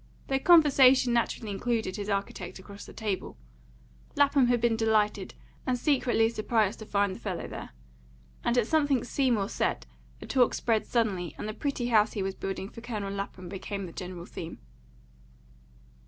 Their conversation naturally included his architect across the table; Lapham had been delighted and secretly surprised to find the fellow there; and at something Seymour said the talk spread suddenly, and the pretty house he was building for Colonel Lapham became the general theme.